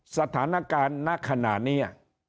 สถานการณ์ณขณะนี้